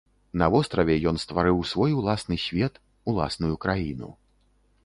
На востраве ён стварыў свой уласны свет, уласную краіну.